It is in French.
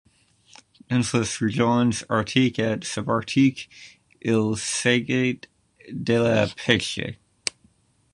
Dans les régions arctique et sub-arctique, il s'agit de la pêche.